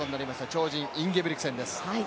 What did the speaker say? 超人インゲブリクセンです。